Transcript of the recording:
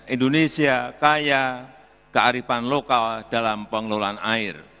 indonesia kaya kearifan lokal dalam pengelolaan air